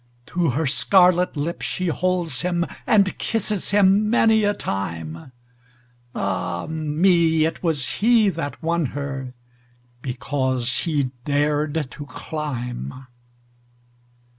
To her scarlet lip she holds him, And kisses him many a time—Ah, me! it was he that won herBecause he dared to climb!